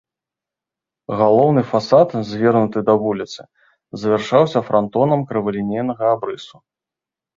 Галоўны фасад, звернуты да вуліцы, завяршаўся франтонам крывалінейнага абрысу.